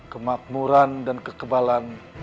kematmuran dan kekebalan